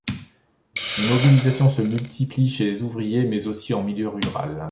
Les mobilisations se multiplient chez les ouvriers, mais aussi en milieu rural.